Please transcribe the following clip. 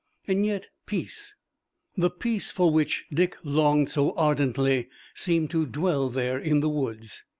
Yet peace, the peace for which Dick longed so ardently, seemed to dwell there in the woods.